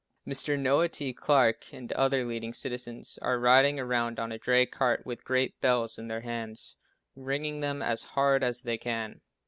Mr. Noah T. Clarke and other leading citizens are riding around on a dray cart with great bells in their hands ringing them as hard as they can.